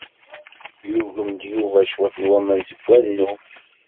Yugem-d Yuba cwiṭ n waman seg wanu.